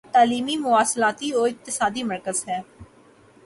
تعلیمی مواصلاتی و اقتصادی مرکز ہے